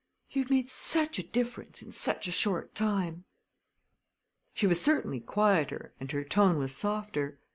You've made such a difference in such a short time!" She was certainly quieter and her tone was softer.